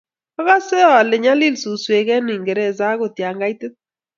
okose ale nyoliil suswek eng Uingereza akot ya kaitit